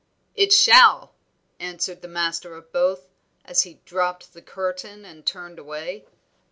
"It shall!" answered the master of both, as he dropped the curtain and turned away.